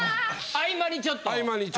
合間にちょっと。